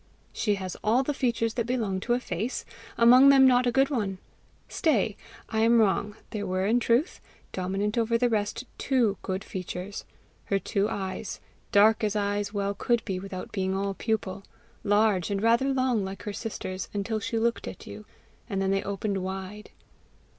She has all the features that belong to a face among them not a good one. Stay! I am wrong: there were in truth, dominant over the rest, TWO good features her two eyes, dark as eyes well could be without being all pupil, large, and rather long like her sister's until she looked at you, and then they opened wide.